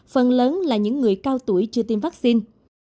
phần lớn là những người cao tuổi chưa tiêm vắc xin